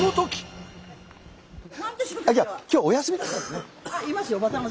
今日はお休みだったんですね。